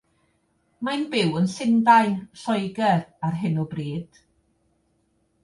Mae'n byw yn Llundain, Lloegr ar hyn o bryd.